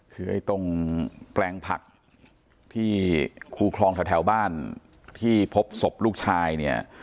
คือไอ้ตรงแปลงผักที่คู่คลองแถวบ้านที่พบศพลูกชายเนี่ย